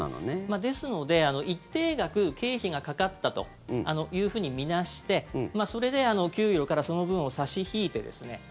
ですので一定額経費がかかったと見なしてそれで給与からその分を差し引いてですね